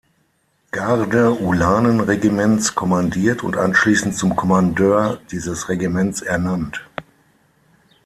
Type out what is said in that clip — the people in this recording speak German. Garde-Ulanen-Regiments kommandiert und anschließend zum Kommandeur dieses Regiments ernannt.